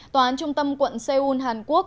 tòa án trung tâm quận seoul hàn quốc